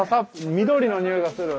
緑のにおいがする。